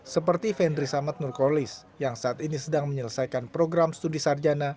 seperti fendri samad nurkolis yang saat ini sedang menyelesaikan program studi sarjana